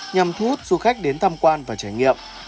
nhằm thu hút du khách đến tham quan và trải nghiệm